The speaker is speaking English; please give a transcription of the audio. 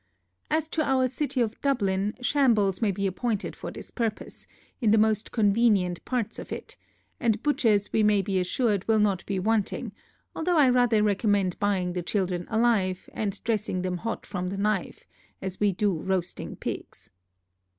As to our City of Dublin, shambles may be appointed for this purpose, in the most convenient parts of it, and butchers we may be assured will not be wanting; although I rather recommend buying the children alive, and dressing them hot from the knife, as we do roasting pigs.